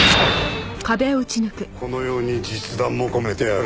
このように実弾もこめてある。